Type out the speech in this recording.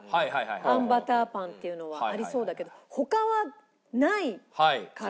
あんバターパンっていうのはありそうだけど他はないから。